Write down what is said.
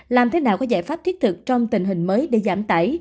làm thế nào có giải pháp thiết thực trong tình hình mới để giảm tải